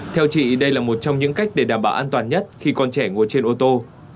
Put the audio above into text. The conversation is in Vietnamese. theo chị đây là một trong những cách để đảm bảo an toàn nhất khi con trẻ ngồi trên ô tô